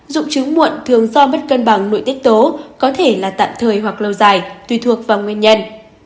dụng chứng muộn thường do mất cân bằng nội tiết tố có thể là tạm thời hoặc lâu dài tùy thuộc vào nguyên nhân